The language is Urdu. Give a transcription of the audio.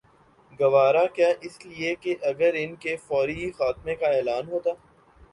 گوارا کیا اس لیے کہ اگر ان کے فوری خاتمے کا اعلان ہوتا